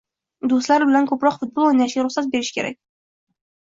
do‘stlari bilan ko‘proq futbol o‘ynashga ruxsat berish kerak.